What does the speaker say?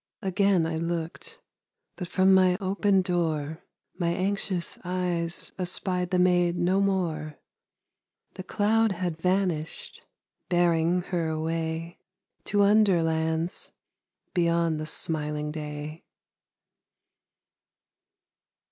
Again I looked, but from my open door My anxious eyes espied the maid no more; The cloud had vanished, bearing her away To underlands beyond the smiling day.